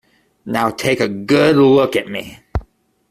Now, take a good look at me!